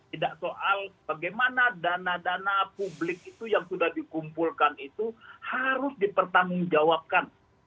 tidak soal bagaimana dana dana publik itu yang sudah dikumpulkan itu harus dipertanggungjawabkan